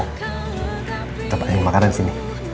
kita pengen makan aja di sini